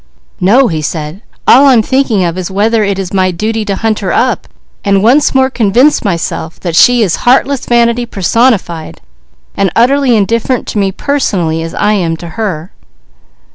"No!" he said. "All I'm thinking of is whether it is my duty to hunt her up and once more convince myself that she is heartless vanity personified, and utterly indifferent to me personally, as I am to her."